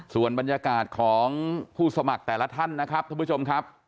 ส่วนบรรยากาศของผู้สมัครแต่ละท่านนะครับท่านผู้ชมครับ